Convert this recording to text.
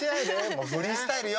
もうフリースタイルよ。